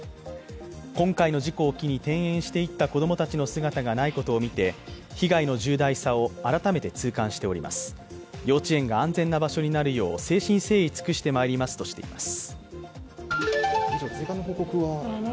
今回の事故を機に転園していった子供たちの姿がないことを見て被害の重大さを改めて痛感しております、幼稚園が安全な場所になるよう、誠心誠意尽くしてまいりますとしています。